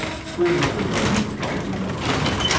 Queer how they generally bite your nose.